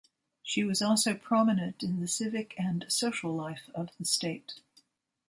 She was also prominent in the civic and social life of the state.